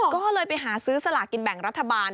ก็เลยไปหาซื้อสลากกินแบ่งรัฐบาล